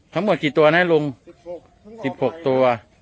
ทั้งหมดกี่ตัวนะลุง๑๖ตัว